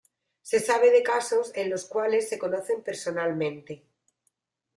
Se sabe de casos en los cuales se conocen personalmente.